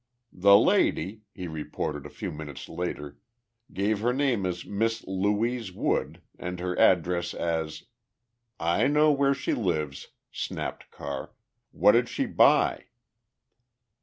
"The lady," he reported a few minutes later, "gave her name as Miss Louise Wood and her address as " "I know where she lives," snapped Carr. "What did she buy?"